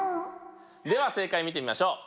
では正解見てみましょう。